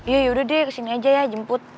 ya yaudah deh kesini aja ya jemput